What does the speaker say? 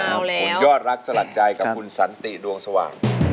คุณยอดรักสลัดใจกับคุณสันติดวงสว่าง